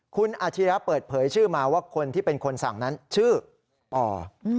คุณอาชิระเปิดเผยชื่อมาว่าคนที่เป็นคนสั่งนั้นชื่อปอ